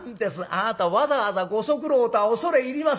あなたわざわざご足労とは恐れ入りますな。